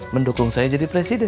mendukung saya jadi presiden